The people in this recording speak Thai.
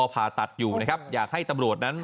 ผ่าตัดอยู่นะครับอยากให้ตำรวจนั้น